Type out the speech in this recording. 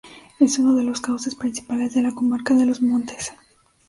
Es uno de los cauces principales de la comarca de los Montes.